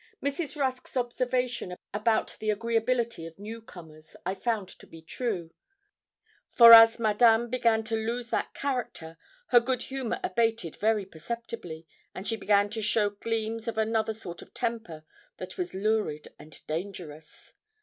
Mrs. Rusk's observation about the agreeability of new comers I found to be true; for as Madame began to lose that character, her good humour abated very perceptibly, and she began to show gleams of another sort of temper, that was lurid and dangerous.